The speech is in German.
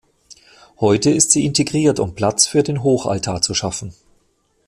Heute ist sie integriert, um Platz für den Hochaltar zu schaffen.